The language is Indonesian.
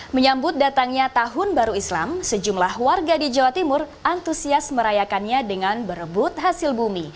menyambut datangnya tahun baru islam sejumlah warga di jawa timur antusias merayakannya dengan berebut hasil bumi